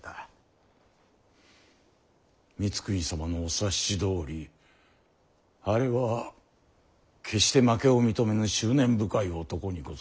光圀様のお察しどおりあれは決して負けを認めぬ執念深い男にございます。